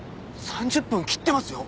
３０分切ってますよ。